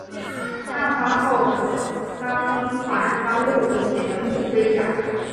案发后赃款赃物已全部追缴。